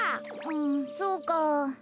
んそうか。